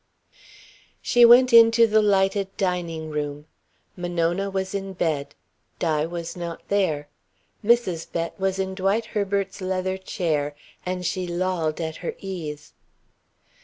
She went into the lighted dining room. Monona was in bed. Di was not there. Mrs. Bett was in Dwight Herbert's leather chair and she lolled at her ease.